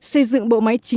xây dựng bộ máy chính quyền